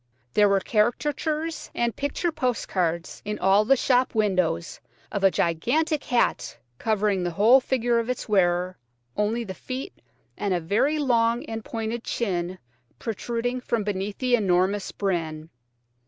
There were caricatures and picture post cards in all the shop windows of a gigantic hat covering the whole figure of its wearer, only the feet, and a very long and pointed chin, protruding from beneath the enormous brim.